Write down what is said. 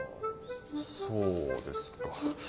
そうですか。